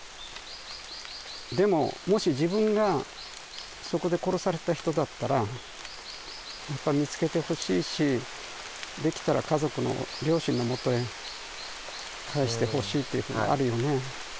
でも、もし自分がそこで殺された人だったら、やっぱり見つけてほしいし、できたら家族の、両親のもとへ返してほしいっていうふうなのあるよね。